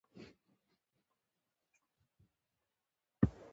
ما ورته وویل دا عقیدوي مسایل دي.